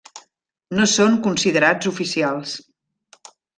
No són considerats oficials.